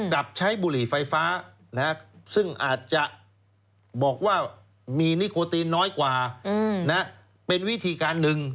กับใช้บุหรี่ไฟฟ้าซึ่งอาจจะบอกว่ามีนิโคตีนน้อยกว่าเป็นวิธีการหนึ่ง